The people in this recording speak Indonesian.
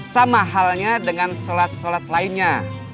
sama halnya dengan sholat sholat lainnya